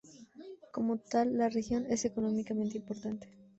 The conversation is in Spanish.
Como tal, la región es económicamente importante.